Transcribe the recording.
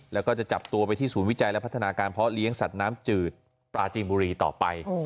แล้วก็จะจับตัวไปที่ศูนย์วิจัยและพัฒนาการเพาะเลี้ยงสัตว์น้ำจืดปลาจีนบุรีต่อไป